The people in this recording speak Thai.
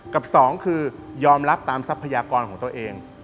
กับสองคือยอมรับตามทรัพยากรของตัวเอง